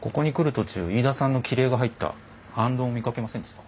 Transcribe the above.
途中飯田さんの切り絵が入った行灯を見かけませんでした？